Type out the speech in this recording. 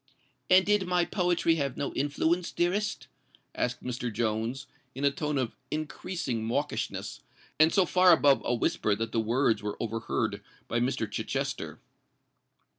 "And did my poetry have no influence, dearest?" asked Mr. Jones, in a tone of increasing mawkishness, and so far above a whisper that the words were overheard by Mr. Chichester.